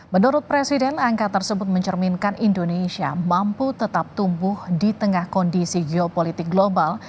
menurut presiden angka tersebut mencerminkan indonesia mampu tetap tumbuh di tengah kondisi geopolitik global